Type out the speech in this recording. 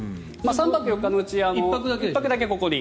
３泊４日のうち１泊だけここに。